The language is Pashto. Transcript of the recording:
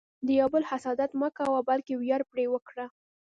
د یو بل حسادت مه کوه، بلکې ویاړ پرې وکړه.